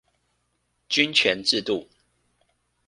均權制度